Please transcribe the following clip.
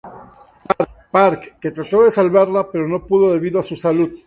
Park, que trató de salvarla, pero no pudo debido a su salud.